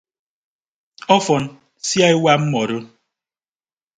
Ọfọn sia ewa mmọdo.